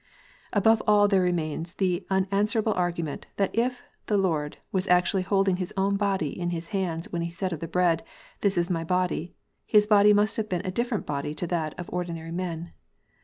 Above all, there remains the unanswerable argument, that if our Lord \yas actually holding His own body in His hands, when He said of the bread, " This is My body," His body must have been a diiferent body to that of ordinary men.